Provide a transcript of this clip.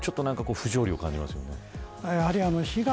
不条理を感じますよね。